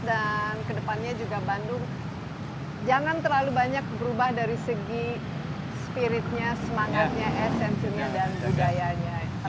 dan kedepannya juga bandung jangan terlalu banyak berubah dari segi spiritnya semangatnya esensinya dan budayanya